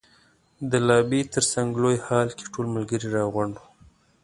د لابي تر څنګ لوی هال کې ټول ملګري را غونډ وو.